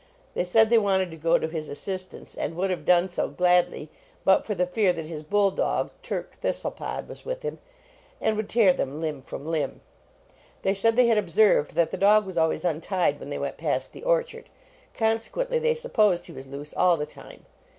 They said they wanted to go to his assistance, and would have done so, gladly, but for the fear that his bull dog, Turk Thistlepod, was with him, and would tear them limb from limb. They said they had observed that the dog was always untied when they went past the orchard, conse quently they supposed he was loose all the time.